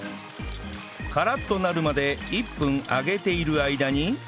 カラッとなるまで１分揚げている間に